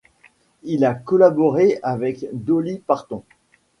Il a collaboré avec Dolly Parton.